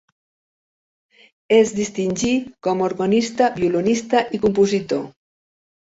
Es distingí com a organista, violinista i compositor.